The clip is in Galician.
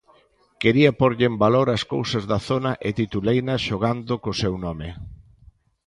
Quería pórlle en valor as cousas da zona e tituleina xogando co seu nome.